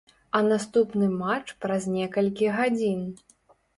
А наступны матч праз некалькі гадзін!